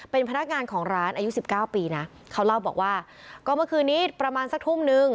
เป็นพนักงานของร้านอายุสิบเก้าปีนะเขาเล่าบอกว่าก็เมื่อคืนนี้ประมาณสักทุ่มนึง